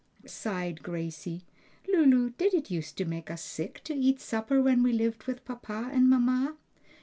sighed Gracie. "Lulu, did it use to make us sick to eat supper when we lived with papa and mamma?"